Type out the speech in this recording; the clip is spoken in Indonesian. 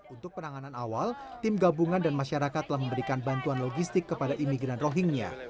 untuk penanganan awal tim gabungan dan masyarakat telah memberikan bantuan logistik kepada imigran rohingya